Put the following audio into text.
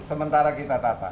sementara kita tata